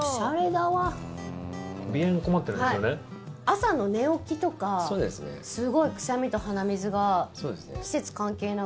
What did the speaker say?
朝の寝起きとかすごいくしゃみと鼻水が季節関係なく。